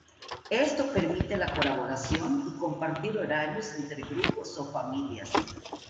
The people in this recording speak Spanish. Esto permite la colaboración y compartir horarios entre grupos o familias.